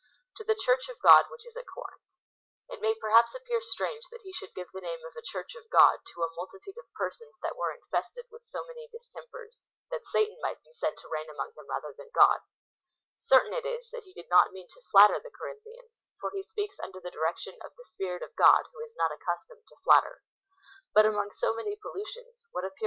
2. To the Church of God which is at Corinth. It may perhaps appear strange that he should give the name of a Church of God to a multitude of persons that were infested with so many distempers, that Satan might be said to reign among them rather than God. Certain it is, that he did not mean to flatter the Corinthians, for he speaks under the direction of the Spirit of God, who is not accustomed to flatter. But^ among so many pollutions, what appearance 1 " Mais (dira quelqu'un ;)"—" But (some one will saj'.)" CHAP. r. 2.